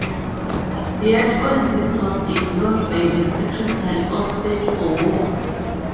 Yet all this was ignored by the Secretary of State for War.